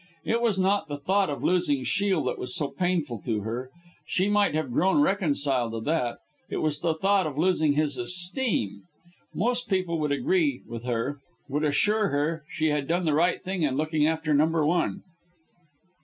It was not the thought of losing Shiel that was so painful to her she might have grown reconciled to that it was the thought of losing his esteem. Most people would agree with her would assure her she had done the right thing in looking after number one.